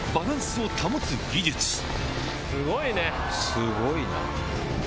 すごいね！